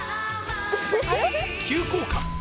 急降下。